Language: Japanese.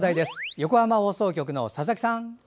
横浜放送局の佐々木さん。